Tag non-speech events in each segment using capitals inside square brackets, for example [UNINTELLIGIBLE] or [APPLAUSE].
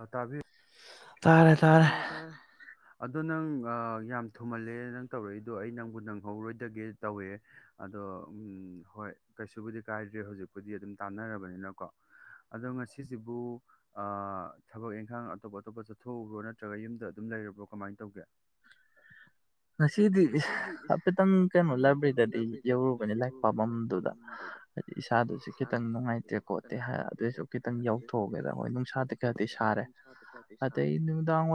ꯑ ꯇ ꯇꯔꯦ ꯇꯥꯔꯦ ꯑꯗꯣ ꯅꯪ ꯌꯥꯝ ꯊꯨꯍꯜꯂꯦ ꯅꯪ ꯇꯧꯔꯛꯏꯗꯣ ꯑꯩ ꯅꯪꯕꯨ ꯅꯪꯍꯧꯔꯣꯏꯗꯒꯦ ꯇꯧꯋꯦ ꯑꯗꯣ ꯑꯗꯣ ꯎꯝ ꯍꯣꯏ ꯀꯩꯁꯨꯕꯨꯗꯤ ꯀꯥꯏꯗ꯭ꯔꯦ ꯍꯧꯖꯤꯛꯄꯨꯗꯤ ꯑꯗꯨꯝ ꯇꯥꯟꯅꯔꯕꯅꯤꯅꯀꯣ ꯑꯗꯣ ꯉꯁꯤꯁꯤꯕꯨ ꯊꯕꯛ ꯏꯪꯈꯥꯡ ꯑꯇꯣꯞ ꯑꯇꯣꯞꯄꯠ ꯊꯣꯛꯎꯕ꯭ꯔꯣ ꯅꯠꯇ꯭ꯔꯒ ꯌꯨꯝꯗ ꯑꯗꯨꯝ ꯂꯩꯔꯕ꯭ꯔꯣ ꯀꯃꯥꯏꯅ ꯇꯧꯒꯦ [UNINTELLIGIBLE] [UNINTELLIGIBLE] ꯉꯁꯤꯗꯤ ꯍꯥꯏꯐꯦꯠꯇꯪ ꯀꯩꯅꯣ ꯂꯥꯏꯕ꯭ꯔꯦꯔꯤꯗꯗꯤ ꯌꯧꯔꯨꯕꯅꯤ ꯂꯥꯏꯔꯤꯛ ꯄꯥꯝꯕꯗꯨꯗ ꯍꯥꯏꯗꯤ ꯏꯁꯥꯗꯨꯁꯨ ꯈꯤꯇꯪ ꯅꯨꯡꯉꯥꯏꯇ꯭ꯔꯦ ꯈꯣꯠꯇꯦ ꯑꯗꯨꯏꯁꯨ ꯈꯤꯇꯪ ꯌꯧꯊꯣꯛꯑꯒꯦꯔꯥ ꯍꯣꯏ ꯅꯨꯡꯁꯥꯗꯤ ꯈꯔꯗꯤ ꯁꯥ ꯅꯨꯡꯁꯥꯗꯤ ꯈꯔꯗꯤ ꯁꯥꯔꯦ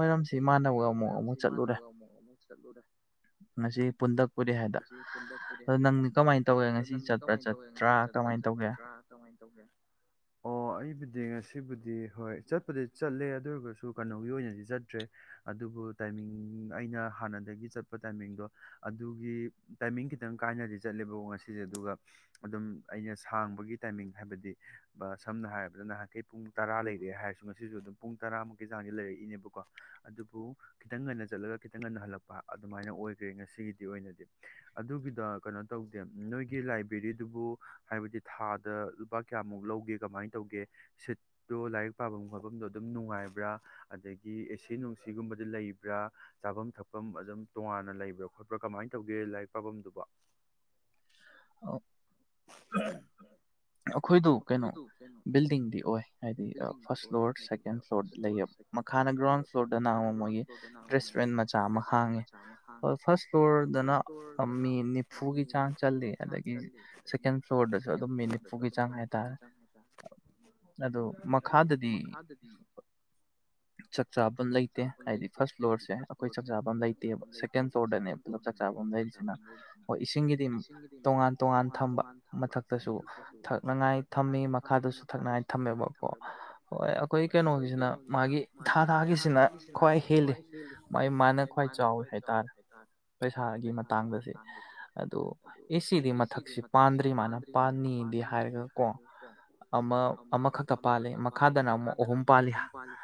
ꯑꯗꯇꯩ ꯅꯨꯡꯗꯥꯡ ꯋꯥꯏꯔꯝꯁꯤ ꯏꯃꯥꯟꯅꯕ ꯑꯃꯨꯛ ꯑꯃꯨꯛ ꯆꯠꯂꯨꯔꯦ [UNINTELLIGIBLE] ꯉꯁꯤ ꯄꯨꯟꯗꯛꯄꯨꯗꯤ ꯍꯥꯏꯗ ꯑꯗ ꯅꯪꯗꯤ ꯀꯃꯥꯏꯅ ꯇꯧꯋꯦ ꯉꯁꯤ ꯆꯠꯄ꯭ꯔꯥ ꯆꯠꯇ꯭ꯔꯥ ꯀꯃꯥꯏꯅ ꯇꯧ ꯑꯣ ꯑꯩꯕꯨꯗꯤ ꯗꯤ ꯉꯁꯤꯕꯨꯗꯤ ꯍꯣꯏ ꯆꯠꯄꯗꯤ ꯆꯠꯂꯦ ꯑꯗꯨ ꯑꯣꯏꯔꯒꯁꯨ ꯀꯩꯅꯣꯒꯤ ꯑꯣꯏꯅꯗꯤ ꯆꯠꯇ꯭ꯔꯦ ꯑꯗꯨꯕꯨ ꯇꯥꯏꯃꯤꯡ ꯑꯩꯅ ꯍꯥꯟꯅꯗꯒꯤ ꯆꯠꯄ ꯇꯥꯏꯃꯤꯡꯗꯣ ꯑꯗꯨꯒꯤ ꯇꯥꯏꯃꯤꯡ ꯈꯤꯇꯪ ꯀꯥꯏꯅꯗꯤ ꯆꯠꯂꯦꯕ ꯉꯁꯤꯁꯦ ꯑꯗꯨꯒ ꯑꯗꯨꯝ ꯑꯩꯅ ꯁꯥꯡꯕꯒꯤ ꯇꯥꯏꯃꯤ ꯅꯔꯕ ꯆꯥꯡꯁꯦ ꯂꯩꯔꯛꯏꯅꯦꯕꯀꯣ ꯑꯗꯨꯕꯨ ꯈꯤꯇꯪ ꯉꯟꯅ ꯆꯠꯂꯒ ꯈꯤꯇꯪ ꯉꯟꯅ ꯍꯜꯂꯛꯄ ꯑꯗꯨꯃꯥꯏꯅ ꯑꯣꯏꯈ꯭ꯔꯦ ꯉꯁꯤ ꯁꯤꯒꯤꯗꯤ ꯑꯣꯏꯅꯗꯤ ꯑꯗꯨꯒꯤꯗ ꯀꯩꯅꯣ ꯇꯧꯗꯦ ꯅꯣꯏꯒꯤ ꯂꯥꯏꯕ꯭ꯔꯦꯔꯤꯗꯨꯕꯨ ꯍꯥꯏꯕꯗꯤ ꯊꯥ ꯑꯗ ꯂꯨꯄꯥ ꯀꯌꯥꯃꯨꯛ ꯂꯧꯒꯦ ꯀꯃꯥꯏꯅ ꯇꯧꯒꯦ ꯁꯤꯠꯇꯣ ꯂꯥꯏꯔꯤꯛ ꯄꯥꯐꯝ ꯈꯣꯠꯐꯝꯗꯣ ꯑꯗꯨꯝ ꯅꯨꯡꯉꯥꯏꯕ ꯅꯨꯡꯒ ꯂꯩ꯭ꯔ ꯆꯥꯐꯝ ꯊꯛꯐꯝ ꯑꯗꯨꯝ ꯇꯣꯉꯥꯟꯅ ꯂꯩꯕ꯭ꯔꯥ ꯈꯣꯠꯄ꯭ꯔꯥ ꯀꯃꯥꯏꯅ ꯇꯧꯒꯦ ꯂꯥꯏꯔꯤꯛ ꯄꯥꯐꯝꯗꯨꯕ ꯑꯣ ꯑꯩꯈꯣꯏꯗꯨ ꯀꯩꯅꯣ ꯕꯤꯜꯗꯤꯡꯗꯤ ꯑꯣꯏ ꯍꯥꯏꯗꯤ ꯐꯥꯔꯁ ꯐ꯭ꯂꯣꯔ ꯁꯦꯀꯦꯟ ꯐ꯭ꯂꯣꯔꯗ ꯂꯩꯌꯦꯕ ꯃꯈꯥꯗ ꯒ꯭ꯔꯥꯎꯟ ꯐ꯭ꯂꯣꯔꯗꯅ ꯑꯃꯛ ꯃꯣꯏꯒꯤ ꯔꯦꯁꯇꯨꯔꯦꯟ ꯃꯆꯥ ꯑꯃ ꯍꯥꯡꯉꯦ ꯐꯥꯔꯁ ꯐ꯭ꯂꯣꯔ ꯑꯗꯨꯅ ꯃꯤ ꯅꯤꯐꯨꯒꯤ ꯆꯥꯡ ꯆꯜꯂꯤ ꯑꯗꯒꯤ ꯁꯦꯀꯦꯟ ꯐ꯭ꯂꯣꯔꯗꯁꯨ ꯑꯗꯨꯝ ꯃꯤꯅꯤꯠꯐꯨꯒꯤ ꯆꯥꯡ ꯍꯥꯏ ꯃ ꯈꯥꯗꯗꯤ ꯆꯥꯛꯆꯥꯥꯐꯝꯝ ꯂꯩꯇꯦ ꯍꯥꯏꯗꯤ ꯐꯥꯔꯁ ꯐ꯭ꯂꯣꯔꯁꯦ ꯑꯩꯈꯣꯏ ꯆꯥꯛꯆꯥꯥꯐꯝ ꯂꯩꯇꯦꯕ ꯁꯦꯀꯦꯟ ꯐ꯭ꯂꯣꯔꯗꯅꯦ ꯄꯨꯞ ꯆꯥꯛ ꯆꯥꯕ ꯑꯃ ꯂꯩꯔꯤꯁꯤꯅ ꯍꯣꯏ ꯏꯁꯤꯡꯒꯤꯗꯤ ꯇꯣꯉꯥꯟ ꯇꯣꯉꯥꯟ ꯊꯝꯕ ꯃꯊꯛꯇꯁꯨ ꯊꯉꯥꯏ ꯊꯝꯃꯤ ꯃꯈꯥꯗꯁꯨ ꯊꯛꯅꯉꯥꯏ ꯊꯝꯃꯦꯕꯀꯣ ꯍꯣꯏ ꯑꯩꯈꯣꯏ ꯀꯩꯅꯣꯒꯤꯁꯤꯅ ꯃꯥꯒꯤ ꯊꯥ ꯊꯥꯒꯤꯁꯤꯅ ꯈ꯭ꯋꯥꯏ ꯍꯦꯜꯂꯤ ꯃꯥꯒꯤ ꯃꯥꯅ ꯈ꯭ꯋꯥꯏ ꯆꯥꯎꯋꯤ ꯍꯥꯏꯇꯥꯔꯦ ꯄꯩꯁꯥꯒꯤ ꯃꯇꯥꯡꯗꯁꯦ ꯑꯗꯨ ꯑꯦꯁꯤꯗꯤ ꯃꯊꯛꯁꯤ ꯄꯥꯟꯗ꯭ꯔꯤ ꯃꯥꯅ ꯄꯥꯅꯤ ꯍꯥꯏꯔꯒ ꯍꯥꯏꯅ ꯀꯣ ꯑꯃ ꯑꯃꯈꯛꯇ ꯄꯥꯜꯂꯤ ꯃꯈꯥꯗꯅ ꯑꯃꯨꯛ ꯑꯍꯨꯝ ꯄꯥꯜꯂꯤ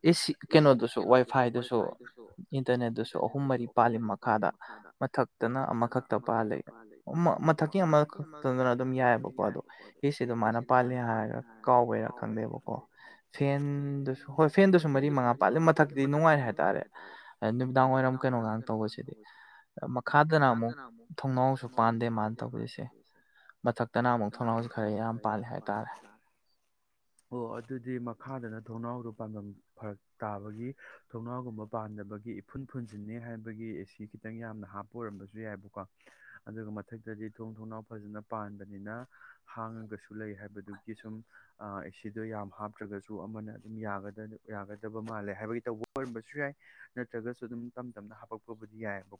ꯑꯦꯁꯤ ꯀꯩꯅꯣꯗꯨꯁꯨ ꯋꯥꯏꯐꯥꯏꯗꯨꯁꯨ ꯏꯟꯇꯔꯅꯦꯠꯠꯇꯁꯨ ꯑꯍꯨꯝ ꯃꯔꯤ ꯄꯥꯜꯂꯤ ꯃꯈꯥꯗ ꯃꯊꯛꯇꯅ ꯑꯃꯈꯛꯇ ꯄꯥꯜꯂꯤ ꯃꯊꯛꯀꯤ ꯑꯃꯈꯛꯇꯗꯅ ꯑꯗꯨꯝ ꯌꯥꯏꯑꯕꯀꯣ ꯑꯗꯣ ꯏꯁꯁꯤ ꯑꯗꯨ ꯃꯥꯅ ꯄꯥꯜꯂ ꯍꯥꯏꯔꯒ ꯀꯥꯎꯕꯦꯔꯥ ꯈꯪꯗꯦꯕꯀꯣ ꯐꯦꯟ ꯁꯨ ꯍꯣꯏ ꯐꯦꯟꯗꯨꯁꯨ ꯃꯔꯤ ꯃꯉꯥ ꯄꯥꯂꯦ ꯃꯊꯛꯇꯀꯤꯗꯤ ꯅꯨꯡꯉꯥꯏꯔꯦ ꯍꯥꯏꯇꯥꯔꯦ ꯅꯨꯃꯤꯗꯥꯡ ꯋꯥꯏꯔꯝ ꯀꯩꯅꯣꯒ ꯇꯧꯕꯁ ꯁꯤ ꯃꯈꯥꯗꯅ ꯑꯃꯨꯛ ꯊꯣꯡꯅꯥꯎꯁꯨ ꯄꯥꯟꯗꯦ ꯃꯥꯅ ꯇꯧꯕꯁꯤꯁꯦ ꯃꯊꯛꯇꯅꯥ ꯑꯃ ꯑꯣ ꯑꯗꯨꯗꯤ ꯃꯈꯥꯗꯅ ꯊꯣꯡꯅꯥꯎꯗꯨꯣ ꯄꯥꯟ ꯐꯔꯛ ꯇꯥꯕꯒꯤ ꯊꯣꯡꯅꯥꯎꯒꯨꯝꯕ ꯄꯥꯟꯗꯕꯒꯤ ꯏꯐꯨꯟ ꯐꯨꯟꯁꯤꯟꯅꯅꯤ ꯍꯥꯏꯕꯒꯤ ꯁꯤ ꯈꯤꯇꯪ ꯌꯥꯝꯅ ꯍꯥꯞꯄ ꯑꯣꯏꯔꯝꯕꯁꯨ ꯌꯥꯏꯕꯀꯣ ꯑꯗꯨꯒ ꯃꯊꯛꯇꯗꯤ ꯊꯣꯡ ꯊꯣꯡꯅꯥꯎ ꯐꯖꯅ ꯄꯥꯟꯕꯅꯤꯅ ꯍꯥꯡꯉꯒꯁꯨ ꯂꯩ ꯍꯥꯏꯕꯗꯨꯒꯤ ꯁꯨꯝ ꯁꯤꯗꯣ ꯌꯥꯝ ꯍꯥꯞꯇ꯭ꯔꯒꯁꯨ ꯑꯃꯅ ꯑꯗꯨꯝ ꯌꯥꯒꯗ ꯑꯗ ꯌꯥꯒꯗꯕ ꯃꯥꯜꯂꯦ ꯍꯥꯏꯕꯒꯤ ꯇꯧꯕ ꯑꯣꯏꯔꯝꯕꯁꯨ ꯌꯥꯏ ꯅꯠꯇ꯭ꯔꯒꯁꯨ ꯑꯗꯨꯝ ꯇꯝ ꯇꯞꯅ ꯍꯥꯄꯛꯄꯕꯨꯗꯤ ꯌꯥꯏ ꯣ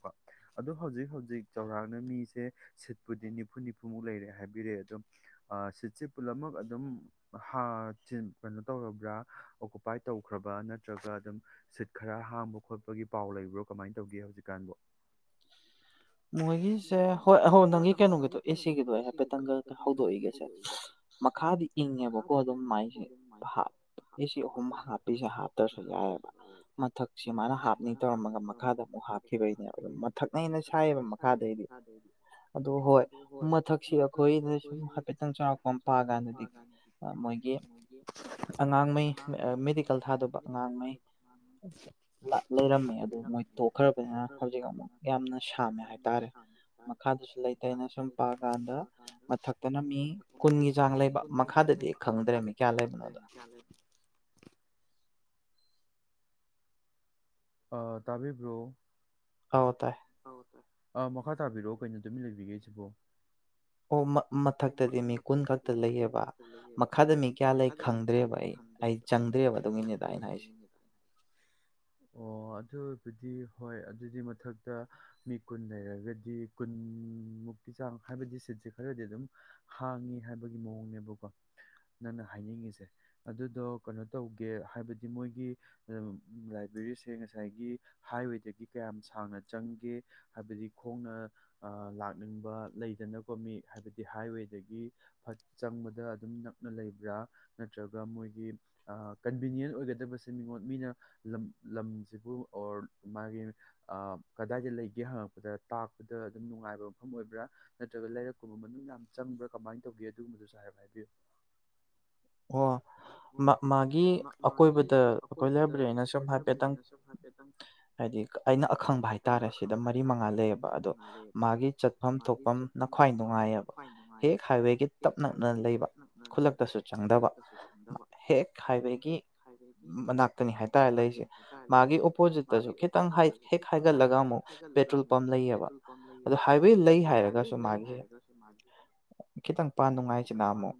ꯑꯗꯣ ꯍꯧꯖꯤꯛ ꯍꯧꯖꯤꯛ ꯆꯧꯔꯥꯛꯅ ꯃꯤꯁꯦ ꯁꯤꯠꯄꯨꯗꯤ ꯅꯤꯐꯨ ꯅꯤꯐꯨꯃꯨꯛ ꯂꯩꯔꯦ ꯍꯥꯏꯕꯤꯔꯛꯑꯦꯗ [INAUDIBLE] ꯁꯤꯠꯁꯦ ꯄꯨꯝꯅꯃꯛ ꯑꯗꯨꯝ ꯍꯥ ꯀꯩꯅꯣ ꯇꯧꯔꯕ꯭ꯔꯥ ꯑꯣꯀꯨꯄꯥꯏ ꯇꯧꯈ꯭ꯔꯕ꯭ꯔꯥ ꯅꯠꯇ꯭ꯔꯒ ꯑꯗꯨꯝꯠ ꯈꯔ ꯍꯥꯡ ꯈꯣꯠꯄꯒꯤ ꯄꯥꯎ ꯂꯩꯕ꯭ꯔꯣ ꯀꯃꯥꯏꯅ ꯇꯧꯒꯦ ꯍꯧꯖꯤꯛꯀꯥꯟꯕꯨ ꯃꯣꯏꯒꯤꯁꯦ ꯍꯣꯏ ꯑꯣꯏ ꯅꯪꯒꯤ ꯀꯩꯅꯣꯒꯤꯗꯣ ꯑꯦꯁꯤꯒꯤꯗꯣ ꯍꯥꯏꯐꯦꯠ ꯇꯪꯒꯜ ꯍꯧꯗꯣꯛꯏꯒꯦꯁꯦ ꯃꯈꯥꯗꯤ ꯏꯪꯉꯦꯕꯀꯣ ꯑꯗꯨꯝ ꯃꯥꯏꯁꯦ ꯑꯍꯨꯝ ꯍꯥꯞꯄꯤꯁꯦ ꯍꯥꯞꯇ꯭ꯔꯁꯨ ꯌꯥꯏꯑꯕ ꯃꯊꯛꯁꯤꯃꯥꯏꯅ ꯍꯥꯞꯅꯤ ꯇꯧꯔꯝꯃꯒ ꯃꯈꯥꯗ ꯑꯃꯨꯛ ꯍꯥꯞꯈꯤꯕꯒꯤꯅꯦ ꯃꯊꯛꯅꯦꯩꯅ ꯁꯥꯏꯌꯦꯕ ꯃꯈꯥꯗꯩꯗꯤ ꯑꯗꯨ ꯍꯣꯏ ꯃꯊꯛꯁꯤ ꯑꯩꯈꯣꯏꯅ ꯁꯨꯝ ꯍꯥꯏꯐꯦꯠꯇꯪ ꯆꯥꯎꯔꯥꯛꯄ ꯑꯃ ꯄꯥ ꯀꯥꯟꯗꯗꯤ ꯃꯣꯏꯒꯤ ꯑꯉꯥꯡꯉꯩ ꯃꯦꯗꯤꯀꯦꯜ ꯊꯥꯗꯕ ꯑꯉꯥꯡꯉꯩ ꯂꯩꯔꯝꯃꯦ ꯑꯗꯨ ꯃꯣꯏ ꯇꯣꯛꯈ꯭ꯔꯕꯅꯤꯅ ꯍꯧꯖꯤꯛ ꯑꯃꯨꯛ ꯌꯥꯝꯅ ꯁꯝꯃꯦ ꯍꯥꯏꯇꯥꯔꯦ ꯃꯈꯥꯗꯨꯁꯨ ꯂꯩꯇꯩꯅ ꯁꯨꯝ ꯄꯥꯀꯥꯟꯗ ꯃꯊꯛ ꯇꯅ ꯃꯤ ꯀꯨꯟꯒꯤ ꯆꯥꯡ ꯂꯩꯕ ꯃꯈꯥꯗꯗꯤ ꯈꯪꯗ꯭ꯔꯦ ꯃꯤ ꯀꯌꯥ ꯂꯩꯕꯅꯣꯗ [INAUDIBLE] ꯑ ꯇꯕꯤꯕ꯭ꯔꯣ ꯍꯥꯎ ꯇꯥꯏ ꯑ ꯃꯈꯥ ꯇꯥꯕꯤꯔꯛꯑꯣ ꯀꯩꯅꯣ ꯑꯗꯨꯃꯤ ꯂꯩꯕꯤꯒꯦ ꯁꯤꯕꯣ ꯑꯣ ꯃꯊꯛꯇꯗꯤ ꯃꯤ ꯀꯨꯟ ꯈꯛꯇ ꯂꯩꯌꯦꯕ ꯃꯈꯥꯗ ꯃꯤ ꯀꯌꯥ ꯂꯩ ꯈꯪꯗ꯭ꯔꯦꯕ ꯑꯩ ꯑꯩ ꯆꯪꯗ꯭ꯔꯦꯕ ꯑꯗꯨꯒꯤꯅꯤꯗ ꯑꯩꯅ ꯍꯥꯏꯁ ꯑꯣ ꯑꯗꯨꯕꯨꯗꯤ ꯍꯣꯏ ꯑꯗꯨꯗꯤ ꯃꯊꯛ ꯃꯤ ꯀꯨꯟ ꯂꯩꯔꯒꯗꯤ ꯀꯨꯟꯃꯨꯛꯀꯤ ꯆꯥꯡ ꯍꯥꯏꯕꯗꯤ ꯁꯤꯠꯁꯦ ꯈꯔꯗꯤ ꯑꯗꯨꯝ ꯍꯥꯡꯉꯤ ꯍꯥꯏꯕꯒꯤ ꯃꯑꯣꯡꯅꯦꯕꯀꯣ ꯅꯪꯅ ꯍꯥꯏꯅꯤꯡꯉꯤꯁꯦ ꯑꯗꯨꯗꯣ ꯀꯩꯅꯣ ꯇꯧꯒꯦ ꯍꯥꯏꯕꯗꯤ ꯃꯣꯏꯒꯤ ꯂꯥꯏꯕ꯭ꯔꯦꯔꯤ ꯉꯥꯏ ꯍꯥꯏꯋ ꯀ ꯆꯪꯒꯦ ꯍꯥꯏꯕꯗꯤ ꯈꯣꯡꯅ ꯂꯥꯛꯅꯤꯡꯕ ꯂꯩꯗꯅꯕ ꯃꯤ ꯍꯥꯏꯕꯗꯤ ꯍꯥꯏꯋꯦ ꯆꯪꯕꯗ ꯑꯗꯨꯝ ꯅꯛꯅ ꯂꯩꯕ꯭ꯔꯥ ꯅꯠꯇ꯭ꯔꯒ ꯃꯣꯏꯒꯤ ꯌꯨꯅꯤꯌꯟ ꯑꯣꯏꯒꯗꯕꯁꯦ ꯃꯤꯉꯣꯟ ꯃꯤꯅ ꯂꯝ ꯂꯝꯁꯤꯕꯨ ꯑꯣꯔ ꯃꯥꯒꯤ ꯀꯗꯥꯏꯗ ꯂꯩꯒꯦ ꯍꯪꯉꯛꯄꯗ ꯇꯥꯛꯄꯗ ꯑꯗꯨꯝ ꯅꯨꯡꯉꯥꯏꯕ ꯃꯐꯝ ꯑꯣꯏꯕ꯭ꯔꯥ ꯅꯠꯇ꯭ꯔꯒ ꯂꯩꯔꯛꯀꯨꯝꯕ ꯃꯅꯨꯡ ꯌꯥꯝ ꯆ ꯈꯪꯕ꯭ꯔꯥ ꯀꯃꯥꯏꯅ ꯇꯧꯒꯦ ꯑꯗꯨꯒꯕꯗꯨꯁꯨ ꯍꯥꯏꯔ ꯍꯥꯏꯕꯤꯌꯨ ꯑꯣ ꯃꯥꯒꯤ ꯑꯀꯣꯏꯕꯗ ꯑꯩꯈꯣꯏ ꯂꯩꯕꯗꯤ ꯑꯩꯅ ꯁꯨꯝ ꯍꯥꯏꯐꯦꯠꯇꯪ ꯍꯥꯏꯗꯤ ꯑꯩꯅ ꯑꯈꯪꯕ ꯍꯥꯏꯇꯥꯔꯦ ꯁꯤꯗ ꯃꯔꯤ ꯃꯉꯥ ꯂꯩꯌꯦꯕ ꯑꯗꯣ ꯃꯥꯒꯤ ꯆꯠꯐꯝ ꯊꯣꯛꯐꯝ ꯈ꯭ꯋꯥꯏ ꯅꯨꯡꯉꯥꯏꯑꯕ ꯍꯦꯛ ꯍꯥꯏꯋꯦꯒꯤ ꯇꯞ ꯅꯛꯅ ꯂꯩꯕ ꯈꯨꯜꯂꯛꯇꯁꯨ ꯆꯪꯗꯕ ꯍꯦꯛ ꯍꯥꯏꯕꯒꯤ ꯃꯅꯥꯛꯇꯅꯤ ꯍꯥꯏꯇꯥꯔꯦ ꯂꯩꯁꯦ ꯃꯥꯒꯤ ꯑꯣꯄꯣꯖꯤꯠꯇꯁꯨ ꯈꯤꯇꯪ ꯍꯦꯛ ꯍꯥꯏꯒꯠꯂꯒ ꯑꯃꯨꯛ ꯄꯦꯇ꯭ꯔꯣꯜ ꯄꯝ ꯂꯩꯌꯦꯕ ꯑꯣ ꯍꯥꯏꯋꯦ ꯂꯩ ꯍꯥꯏꯔꯒꯁꯨ ꯍꯥꯏꯒ ꯁꯃꯥꯖ ꯈꯤꯇꯪ ꯄꯥ ꯅꯨꯡꯉꯥꯏꯁꯤꯅ ꯑꯃꯨꯛ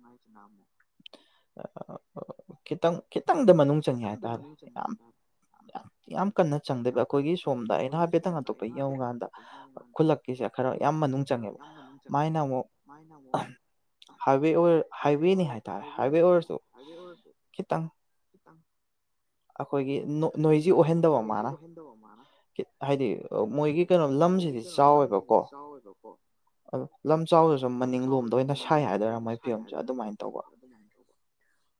ꯈꯤꯇꯪ ꯈꯤꯇꯪꯗ ꯃꯅꯨꯡ ꯆꯪꯉꯦ ꯍꯥꯏꯇꯥꯔꯦ ꯌꯥꯝ ꯌꯥꯝ ꯌꯥꯝ ꯀꯟꯅ ꯆꯪꯗꯕꯤ ꯑꯩꯈꯣꯏꯒꯤ ꯁꯣꯝꯗ ꯑꯩꯅ ꯍꯥꯏ ꯍꯥꯏꯐꯦꯠꯇꯪ ꯑꯇꯣꯞꯄ ꯌꯧꯉꯀꯥꯟꯗ ꯈꯨꯜꯂꯛꯀꯤꯁꯦ ꯈꯔ ꯌꯥꯝ ꯃꯅꯨꯡ ꯆꯪꯉꯦꯕ ꯃꯥꯏꯅ ꯑꯃꯨꯛ ꯃꯥꯏꯅꯕꯨꯣ ꯍꯋꯦ ꯍꯋꯦꯅꯤ ꯍꯥꯏ ꯍꯋꯦ ꯍꯥꯏꯇꯥ ꯍꯋꯦ ꯑꯣꯔꯁꯨ ꯑꯩꯈꯣꯏꯒꯤ ꯑꯩꯈꯣꯏꯒꯤ ꯅꯣꯏꯁꯤ ꯑꯣꯏꯍꯟꯗꯕ ꯃꯥꯅ ꯍꯥꯏꯗꯤ ꯃꯣꯏꯒꯤ ꯀꯩꯅꯣ ꯂꯝꯁꯤꯗꯤ ꯆꯥꯎꯋꯦꯕꯀꯣ ꯑ ꯂꯝꯆꯥꯎꯗꯨꯁꯨ ꯃꯅꯤꯡ ꯂꯣꯝꯗ ꯑꯣꯏꯅ ꯁꯥꯏ ꯍꯥꯏꯗꯣꯏꯔꯥ ꯃꯣꯏ ꯐꯤꯕꯝꯁꯦ ꯑꯗꯨꯃꯥꯏꯅ ꯇꯧꯕ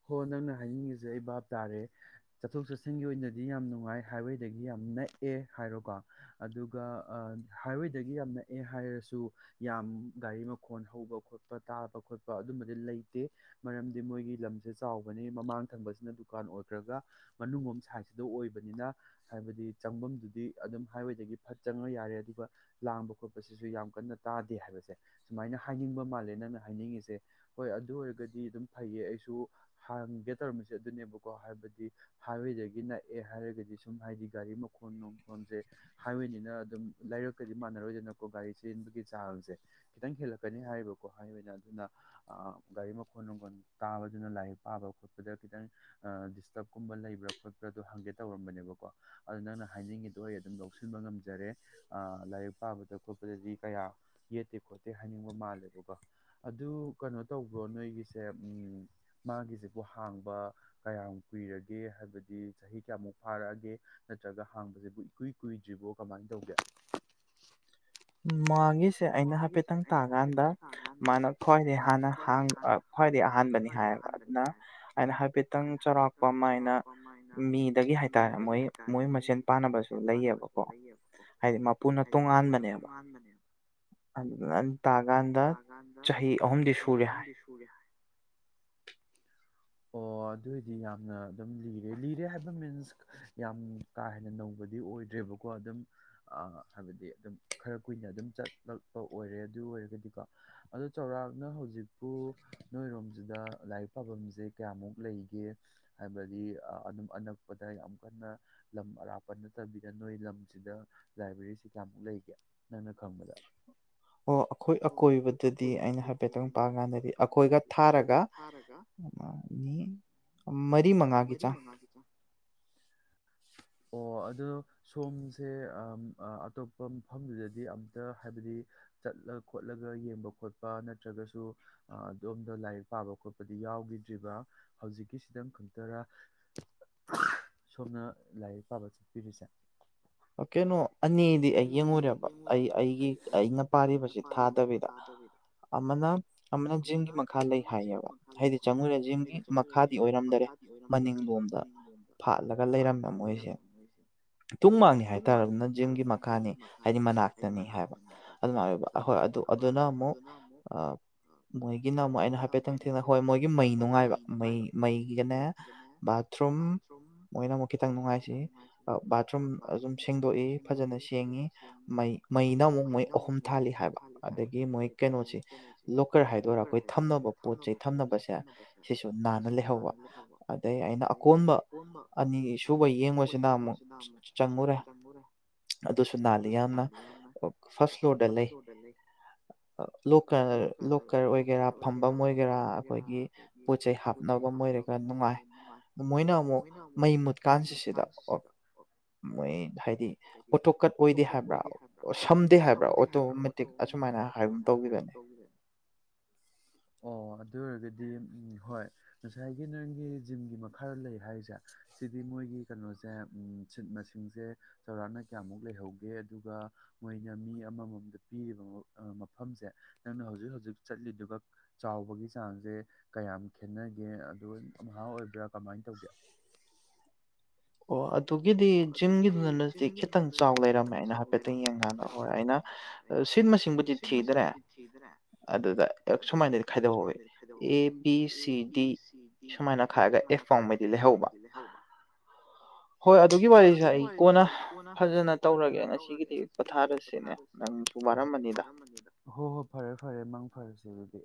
ꯍꯣ ꯅꯪꯅ ꯍꯥꯏꯅꯤꯡꯉꯤꯁꯦ ꯑꯩ ꯚꯥꯞ ꯇꯥꯔꯦ ꯆꯠꯊꯣꯛ ꯆꯠꯁꯤꯟ ꯁꯤꯡꯒꯤꯒꯤ ꯑꯣꯏꯅꯗꯤ ꯌꯥꯝ ꯅꯨꯡꯉꯥꯏ ꯍꯥꯏꯋꯦꯗꯒꯤ ꯌꯥꯝ ꯅꯛꯑꯦ ꯍꯥꯏꯔꯣꯀꯣ ꯑꯗꯨꯒ ꯍꯥꯏꯋꯦ ꯑꯩ ꯌꯥꯝ ꯅꯛꯑꯦ ꯍꯥꯏꯔꯁꯨ ꯌꯥꯝ ꯒꯥꯔꯤ ꯃꯈꯣ ꯍꯧꯕ ꯈꯣꯠꯄ ꯇꯥꯕ ꯈꯣꯠꯄ ꯑꯗꯨꯝꯕ ꯂꯩꯇꯦ ꯃꯔꯝꯗꯤ ꯃꯣꯏꯒꯤ ꯂꯝꯁꯦ ꯆꯥꯎꯕꯅꯤ ꯃꯃꯥꯡ ꯊꯪꯕꯁꯤꯅ ꯗꯨꯀꯥꯟ ꯑꯣꯏꯈ꯭ꯔꯒ ꯃꯅꯨꯡꯗ ꯁꯥꯏꯠꯁꯤꯗ ꯑꯣꯏꯕꯅꯤꯅ ꯍꯥꯏꯕꯗꯤ ꯆꯪꯐꯝꯗꯨꯗꯤ ꯑꯗꯨꯝ ꯍꯥꯏꯋꯦꯗꯒꯤ ꯐꯠ ꯆꯪꯉ ꯌꯥꯔꯦ ꯑꯗꯨꯒ ꯂꯥꯡꯕ ꯈꯣꯠꯄꯁꯤꯁꯨ ꯌꯥꯝ ꯀꯟꯅ ꯇꯥꯗꯦ ꯍꯥꯏꯕꯁꯦ ꯁꯨꯃꯥꯏꯅ ꯍꯥꯏꯅꯤꯡꯕ ꯃꯥꯜꯂꯦ ꯅꯪꯅ ꯍꯥꯏꯅꯤꯡꯉꯤꯁꯦ ꯍꯣꯏ ꯑꯗꯨ ꯑꯣꯏꯔꯒꯗꯤ ꯑꯗꯨꯝ ꯐꯩꯌꯦ ꯑꯩꯁꯨ ꯍꯒꯦ ꯇꯧꯔꯝꯃꯤꯁꯦ ꯑꯗꯨꯅꯦꯕꯀꯣ ꯍꯥꯏꯕꯗꯤ ꯍꯥꯏꯋꯦ ꯅꯛꯑꯦ ꯍꯥꯏꯔꯒꯗꯤ ꯁꯨꯝ ꯍꯥꯏꯗꯤ ꯒꯥꯔꯤ ꯃꯈꯣꯟ ꯃꯈꯈꯣꯟꯁꯦ ꯍꯥꯏꯋꯦꯅꯤꯅ ꯑꯗꯨꯝ ꯂꯩꯔꯛꯀꯗꯤ ꯃ ꯥꯟꯅꯔꯣꯏꯗꯅꯀꯣ ꯒꯥꯔꯤ ꯆꯦꯟꯕꯒꯤ ꯆꯥꯡꯁꯦ ꯈꯤꯇꯪ ꯍꯦꯜꯂꯛꯀꯅꯤ ꯍꯥꯏꯌꯦꯔꯤꯕꯀꯣ ꯍꯥꯏꯅ ꯑꯗꯨꯅ ꯒꯥꯔꯤ ꯃꯈꯣꯟ ꯅꯨꯡꯈꯣꯟꯜ ꯇꯥꯕꯗꯨꯅ ꯂꯥꯏꯔꯤꯛ ꯄꯥꯕ ꯈꯣꯠꯄꯗ ꯈꯤꯇꯪ ꯗꯤꯁꯇꯔꯕꯀꯨꯝꯕ ꯂꯩꯕ꯭ꯔꯥ ꯈꯄ ꯈꯗꯣ ꯍꯪꯒꯦ ꯇꯧꯔꯝꯕꯅꯦꯕꯀꯣ ꯑꯗꯨꯣ ꯅꯪꯅ ꯍꯥꯏꯅꯤꯡꯉꯤꯗꯣ ꯑꯩ ꯑꯗꯨꯝ ꯂꯧꯁꯤꯟꯕ ꯉꯝꯖꯔꯦ ꯂꯥꯏꯔꯤꯛ ꯀꯥꯕꯗ ꯈꯣꯠꯄꯗꯗꯤ ꯀꯌꯥ ꯌꯦꯠꯇꯦ ꯈꯣꯠꯇꯦ ꯍꯥꯏꯅꯤꯡꯕ ꯃꯥꯜꯂꯦꯕꯀꯣ ꯑꯗꯨ ꯀꯩꯅꯣ ꯇꯧꯕ꯭ꯔꯣ ꯅꯣꯏꯒꯤꯁꯦ ꯃꯥꯒꯤꯁꯤꯕꯨ ꯍꯥꯡꯕ ꯀꯌꯥꯝꯨ ꯀꯨꯏꯔꯒꯦ ꯍꯥꯏꯕꯗꯤ ꯆꯍꯤ ꯀꯌꯥꯃꯨꯛ ꯐꯥꯔꯛꯑꯒꯦ ꯅꯠꯇ꯭ꯔꯒ ꯍꯥꯡꯕꯁꯤꯕꯨ ꯏꯀꯨꯏ ꯀꯨꯏꯗ꯭ꯔꯤꯕꯣ ꯀꯃꯥꯏꯅ ꯇꯧꯒꯦ [UNINTELLIGIBLE] ꯃꯥꯒꯤꯁꯦ ꯑꯩꯅ ꯍꯥꯏꯐꯦꯠꯇꯪ ꯇꯥꯀꯥꯟꯗ ꯃꯥꯅ ꯈ꯭ꯋꯥꯏꯗꯒꯩ ꯍꯥꯟꯅꯥꯡ ꯈ꯭ꯋꯥꯏꯗꯒꯤ ꯑꯍꯥꯟꯕꯅꯤ ꯍꯥꯏꯌꯦꯕ ꯑꯗꯨꯅ ꯑꯩꯅ ꯍꯥꯏꯐꯦꯠꯇꯪ ꯆꯥꯎꯔꯥꯛꯄ ꯑꯃ ꯑꯅ ꯃꯤꯗꯒꯤ ꯍꯥꯏꯇꯥꯔꯦ ꯃꯣꯏ ꯃꯣꯏ ꯃꯁꯦꯟ ꯄꯥꯟꯅꯕꯁꯨ ꯂꯩꯌꯦꯕꯀꯣ ꯍꯥꯏꯗꯤ ꯃꯄꯨꯅ ꯇꯣꯉꯥꯟꯕꯅꯦꯕ ꯆꯥꯟꯗꯅꯤ ꯑꯗꯨ ꯇꯥꯀꯥꯟꯗ ꯆꯍꯤ ꯑꯍꯨꯝꯗꯤ ꯁꯨꯔꯦ ꯍꯥꯏ [UNINTELLIGIBLE] ꯑꯣ ꯑꯗꯨꯏꯗꯤ ꯌꯥꯝꯅ ꯑꯗꯨꯝ ꯂꯤꯔꯦ ꯂꯤꯔꯦ ꯍꯥꯏꯕ ꯃꯤꯟꯁ ꯌꯥꯝ ꯀꯥ ꯍꯦꯟꯅ ꯅꯧꯕꯗꯤ ꯑꯣꯏꯗ꯭ꯔꯦꯕꯀꯣ ꯑꯗꯨꯝ ꯍꯥꯏꯕꯗꯤ ꯑꯗꯨꯝ ꯈꯔ ꯀꯨꯏꯅ ꯑꯗꯨꯝ ꯆꯠ ꯂꯛꯄ ꯑꯣꯏꯔꯦ ꯑꯗꯨ ꯑꯣꯏꯔꯒꯗꯤꯀꯣ ꯑꯗꯣ ꯆꯥꯎꯧꯔꯥꯛꯅ ꯍꯧꯖꯤꯛꯄꯨ ꯅꯣꯏꯔꯣꯝꯁꯤꯗ ꯂꯥꯏꯔꯤꯛ ꯄꯥꯐꯝꯁꯦ ꯀꯌꯥꯃꯨꯛ ꯂꯩꯒꯦ ꯍꯥꯏꯕꯗꯤ ꯑꯗꯨꯝ ꯑꯅꯛꯄꯗ ꯌꯥꯝ ꯀꯟꯅ ꯂꯝ ꯑꯔꯥꯞꯄ ꯅꯠꯇꯕꯤꯗ ꯅꯣꯏ ꯂꯝꯁꯤꯗ ꯂꯥꯏꯕ꯭ꯔꯦꯔꯤꯁꯤ ꯀꯌꯥꯃꯨꯛ ꯂꯩꯒꯦ ꯅꯪꯅ ꯈꯪꯕꯗ ꯑꯣ ꯑꯩꯈꯣꯏ ꯑꯀꯣꯏꯕꯗꯗꯤ ꯑꯩꯅ ꯍꯥꯏꯐꯦꯠꯇꯪ ꯄꯥ ꯀꯥꯟꯅꯗꯤ ꯑꯩꯀꯣꯏꯒ ꯊꯥꯔꯒ ꯃꯔꯤ ꯃꯉꯥꯒꯤ ꯆꯥꯡ ꯑꯣ ꯑꯗꯨꯣ ꯁꯣꯝꯁꯦ ꯑꯇꯣꯞꯄ ꯃꯐꯝꯗꯨꯗꯗꯤ ꯑꯝꯇ ꯍꯥꯏꯕꯗꯤ ꯆꯠꯂ ꯈꯣꯠꯂꯒ ꯌꯦꯡꯕ ꯈꯣꯠꯄ ꯅꯠꯇ꯭ꯔꯒꯁꯨ ꯑꯗꯣꯝꯗ ꯂꯥꯏꯔꯤꯛ ꯄꯥꯕ ꯈꯣꯠꯄꯗꯤ ꯌꯥꯎꯈꯤꯗ꯭ꯔꯤꯕ꯭ꯔꯥ ꯍꯧꯖꯤꯛꯀꯤꯁꯤꯗꯪ ꯈꯪꯇꯔꯥ [UNINTELLIGIBLE] ꯁꯣꯝꯅ ꯂꯥꯏꯔꯤꯛ ꯄꯥꯕ ꯆꯠꯄꯤꯔꯤꯁꯦ ꯑꯣ ꯀꯩꯅꯣ ꯑꯅꯤꯗꯤ ꯑꯩ ꯌꯦꯡꯉꯨꯔꯦꯕ ꯑꯩ ꯑꯩꯒꯤ ꯑꯩꯅ ꯄꯥꯔꯤꯕꯁꯤ ꯊꯥꯗꯕꯤꯗ ꯑꯃꯅ ꯑꯃꯅ ꯖꯤꯝꯒꯤ ꯃꯈꯥ ꯂꯩ ꯍꯥꯏꯌꯦꯕ ꯍꯥꯏꯗꯤ ꯆꯪꯉꯨꯔꯨꯔꯦ ꯖꯤꯝꯒꯤ ꯃꯈꯥꯗꯤ ꯑꯣꯏꯔꯝꯗꯔꯦ ꯂꯣꯏꯔꯝꯗꯔꯦ ꯃꯅꯤꯡ ꯂꯣꯝꯗ ꯍꯥꯠꯂꯒ ꯂꯩꯔꯝꯕ ꯃꯣꯏꯁꯦ ꯇꯨꯡꯃꯥꯡꯅꯤ ꯍꯥꯏꯇꯥꯔꯕꯅ ꯖꯤꯝꯒꯤ ꯃꯈꯥꯅꯤ ꯍꯥꯏꯗꯤ ꯃꯅꯥꯛ ꯅꯤ ꯍꯥꯏꯕ ꯑꯗꯨꯃꯥꯏ ꯑꯣꯏꯕ ꯑꯍꯣꯏ ꯑꯗꯨ ꯑꯗꯨꯅ ꯑꯃꯨꯛ ꯃꯣꯏꯒꯤꯅ ꯑꯃꯨꯛ ꯑꯩꯅ ꯍꯥꯏꯐꯦꯠꯇꯪ ꯊꯦꯡꯅ ꯍꯣꯏ ꯃꯣꯏꯒꯤ ꯃꯩ ꯅꯨꯡꯉꯥꯏꯕ ꯃꯩ ꯃꯩꯒꯅꯦ ꯕꯥꯊꯔꯨꯝ ꯃꯣꯏꯅ ꯑꯃꯨꯛ ꯈꯤꯇꯪ ꯅꯨꯡꯉꯥꯏꯁꯤ ꯕꯥꯊꯔꯨꯝ ꯑꯗꯨꯝ ꯁꯦꯡꯗꯣꯛꯏ ꯐꯖꯅ ꯁꯦꯡꯉꯤ ꯃꯩ ꯃꯩꯅ ꯑꯃꯨꯛ ꯃꯣꯏ ꯑꯍꯨꯝ ꯊꯥꯜꯂꯤ ꯍꯥꯏꯕ ꯑꯗꯒꯤ ꯃꯣꯏ ꯀꯩꯅꯣꯁꯤ ꯂꯣꯀꯔ ꯍꯥꯏꯗꯣꯏꯔꯥ ꯑꯩꯈꯣꯏ ꯊꯝꯅꯕ ꯄꯣꯠ ꯆꯩ ꯊꯝꯅꯕꯁꯦ ꯁꯤꯁꯨ ꯅꯥꯟꯅ ꯂꯩꯍꯧꯕ ꯑꯗꯩ ꯑꯩꯅ ꯑꯀꯣꯟꯕ ꯑꯅꯤ ꯁꯨꯕ ꯌꯦꯡꯕꯁꯤꯅ ꯑꯃꯨꯛ ꯆꯪꯉꯨꯔꯦ ꯑꯗꯨꯁꯨ ꯅꯥꯜꯂꯤ ꯌꯥꯝꯅ ꯐ ꯂꯩꯦ ꯂꯣꯛꯀ ꯂꯣꯛꯀꯔ ꯑꯣꯏꯒꯦꯔꯥ ꯐꯝꯕꯝ ꯑꯣꯏꯒꯦꯔꯥ ꯑꯩꯈꯣꯏꯒꯤ ꯎꯆꯩ ꯍꯥꯞꯅꯕ ꯑꯣꯏꯣꯏꯔꯒ ꯅꯨꯡꯉꯥꯏ ꯃꯣꯏꯅ ꯑꯃꯨꯛ ꯃꯩ ꯃꯨꯠꯀꯥꯟꯁꯤ ꯁꯤꯗ ꯃꯣꯏ ꯍꯥꯏꯗꯤ ꯑꯣꯣꯊꯣꯛꯀꯠ ꯑꯣꯏꯗꯦ ꯍꯥꯏꯕ꯭ꯔꯥ ꯁꯝꯗꯦ ꯍꯥꯏꯕ꯭ꯔꯥ ꯑꯣꯇꯣꯃꯦꯇꯤꯛ ꯑꯁꯨꯃꯥꯏꯅ ꯍꯥꯏꯒꯨꯝ ꯇꯧꯈꯤꯕꯅꯤ ꯑꯣ ꯑꯗꯨꯗ ꯍ ꯉꯁꯥꯏ ꯅ ꯍꯥꯏꯁꯦ ꯃꯣꯏ ꯀꯩꯅꯣꯁꯦ ꯁꯤꯠ ꯃꯁꯤꯡꯁꯦ ꯆꯔꯥꯛꯅ ꯀꯌꯥꯃꯨꯛ ꯂꯩꯍꯧꯒꯦ ꯑꯗꯨꯒ ꯃꯣꯏꯅ ꯃꯤ ꯑꯃꯃꯝꯗ ꯄꯤꯔꯤꯕ ꯃꯐꯝꯁꯦ ꯅꯪꯅ ꯍꯧꯖꯤꯛ ꯍꯧꯖꯤꯛ ꯆꯠꯂꯤꯗꯨꯒ ꯆꯥꯎꯕꯒꯤ ꯆꯥꯡꯁꯦ ꯀꯌꯥꯝ ꯈꯦꯠꯅꯒꯦ ꯑꯗꯨꯗ ꯑꯍꯥ ꯑꯣꯏꯕ꯭ꯔꯥ ꯀꯃꯥꯏꯅ ꯇꯧꯒꯦ [INAUDIBLE] ꯑꯣ ꯑꯗꯨꯒꯤꯗꯤ ꯖꯤꯝꯒꯤꯗꯨꯗꯅꯗꯤ ꯈꯤꯇꯪ ꯆꯥꯎ ꯂꯩꯔꯝꯃꯦ ꯑꯩꯅ ꯍꯥꯏꯐꯦꯠꯇꯪ ꯌꯦꯡꯀꯥꯟꯗ ꯍꯣꯏ ꯑꯩꯅ ꯁꯤꯟ ꯃꯁꯤꯡꯕꯨꯗꯤ ꯊꯤꯗ꯭ꯔꯦ ꯑꯗꯨꯗ ꯁꯨꯃꯥꯏꯅꯗꯤ ꯈꯥꯏꯗꯣꯛꯍꯧꯋꯤ ꯑꯦ ꯕꯤ ꯁꯤ ꯗꯤ ꯁꯨꯃꯥꯏꯅ ꯈꯥꯏꯔꯒ ꯑꯦꯐ ꯄꯥꯎꯃꯩꯗꯤ ꯂꯩꯍꯧꯕ ꯍꯣꯏ ꯑꯗꯨꯒꯤ ꯋꯥꯔꯤꯁꯦ ꯑꯩ ꯀꯣꯟꯅ ꯐꯖꯅ ꯇꯧꯔꯒꯦ ꯉꯁꯤꯒꯤꯗꯤ ꯄꯣꯊꯥꯔꯁꯤꯅꯦ ꯅꯪꯁꯨ ꯍꯣ ꯍꯣꯏ ꯐꯔꯦ ꯐꯔꯦ ꯃꯪ ꯐꯔꯁꯤ ꯑꯗꯨꯗꯤ